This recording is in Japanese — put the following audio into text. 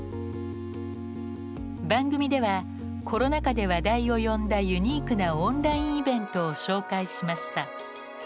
番組ではコロナ禍で話題を呼んだユニークなオンラインイベントを紹介しました。